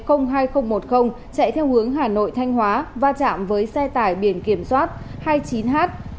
ông hai nghìn một mươi chạy theo hướng hà nội thanh hóa và chạm với xe tải biển kiểm soát hai mươi chín h bảy mươi hai nghìn sáu trăm bốn mươi bảy